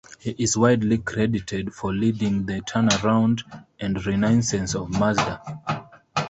He is widely credited for leading the turnaround and renaissance of Mazda.